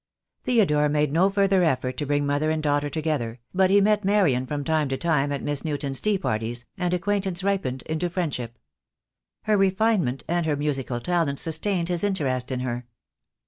Theodore made no further effort to bring mother and daughter together, but he met Marian from time to time at Miss Newton's tea parties, and acquaintance ripened into friendship. Her refinement and her musical talent sustained his interest in her.